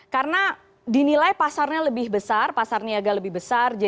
karena dinilai pasarnya lebih besar pasar niaga lebih besar